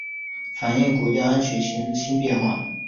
反映国家安全形势新变化